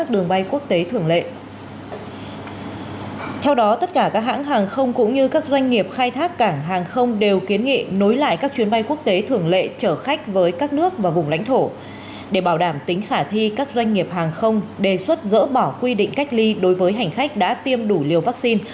các doanh nghiệp hàng không đề xuất dỡ bỏ quy định cách ly đối với hành khách đã tiêm đủ liều vaccine